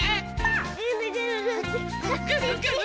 ぐるぐるぐるぐる。